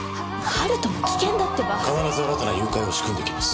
温人も危険だってば必ず新たな誘拐を仕組んできます